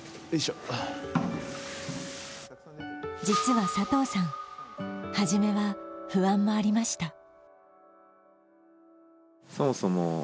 実は佐藤さん、初めは不安もありました。